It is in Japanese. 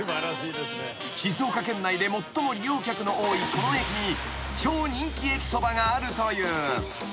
［静岡県内で最も利用客の多いこの駅に超人気駅そばがあるという］